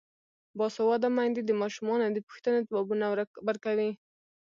باسواده میندې د ماشومانو د پوښتنو ځوابونه ورکوي.